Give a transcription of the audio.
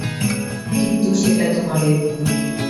কিন্তু সেটা তোমাদের ভুল।